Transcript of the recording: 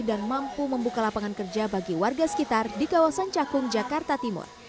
dan mampu membuka lapangan kerja bagi warga sekitar di kawasan cakung jakarta timur